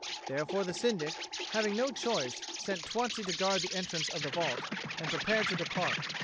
Therefore the Syndic, having no choice, set twenty to guard the entrance of the vault and prepared to depart.